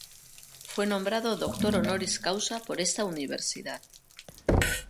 Fue nombrado Doctor Honoris Causa por esta Universidad.